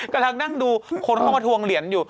กำลังนั่งดูคนเข้ามาทวงเหรียญอยู่